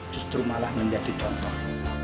justru malah menjadi contoh